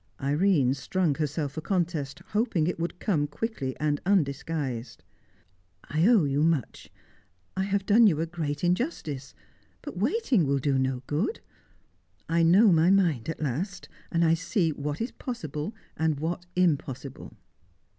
Irene strung herself for contest, hoping it would come quickly and undisguised. "I owe you much. I have done you a great injustice. But waiting will do no good. I know my mind at last. I see what is possible and what impossible."